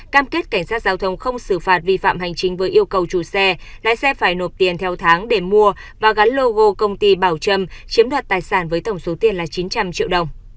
cam kết cảnh sát giao thông không xử phạt vi phạm hành chính với yêu cầu chủ xe lái xe phải nộp tiền theo tháng để mua và gắn logo công ty bảo trâm chiếm đoạt tài sản với tổng số tiền là chín trăm linh triệu đồng